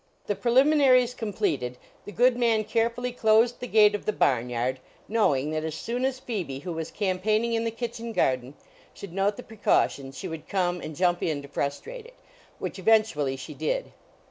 The preliminaries completed, the good man carefully closed the gate of the barnyard, knowing that as soon as Phoebe, who was campaigning in the kitchen garden, should note the precaution she would come and jump in to frustrate it, which eventually she did.